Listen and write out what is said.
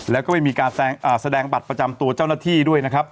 แล้วก็ไม่มีการแสดงบัตรประจำตัวเจ้าหน้าที่ด้วยนะครับ